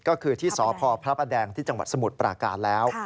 ก็คือที่สพพระประแดงที่จังหวัดสมุทรปราการแล้ว